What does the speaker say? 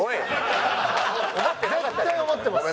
絶対思ってます。